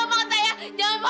kurang ajar saya bukan setan